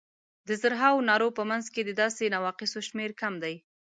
د زرهاوو نارو په منځ کې د داسې نواقصو شمېر کم دی.